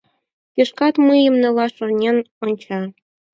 Кишкат мыйым нелаш шонен онча.